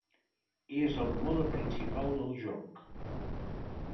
És el mode principal del joc.